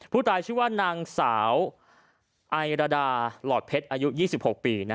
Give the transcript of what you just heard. ผู้ตายชื่อว่านางสาวไอรดาหลอดเพชรอายุ๒๖ปี